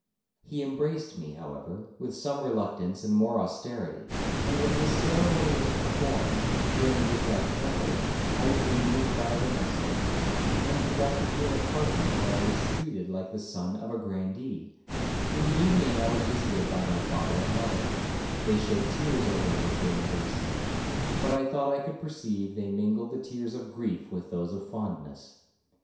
He embraced me, however, with some reluctance and more austerity; and when this ceremony was performed, during which I trembled, I was removed by a domestic, and conducted to an apartment where I was treated like the son of a grandee; in the evening I was visited by my father and mother; they shed tears over me as they embraced me, but I thought I could perceive they mingled the tears of grief with those of fondness.